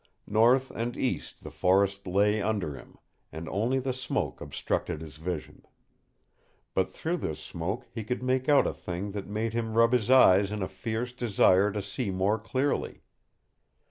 North and east the forest lay under him, and only the smoke obstructed his vision. But through this smoke he could make out a thing that made him rub his eyes in a fierce desire to see more clearly.